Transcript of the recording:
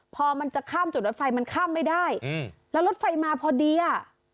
พอมันจะข้ามจุดรถไฟมันข้ามไม่ได้อืมแล้วรถไฟมาพอดีอ่ะ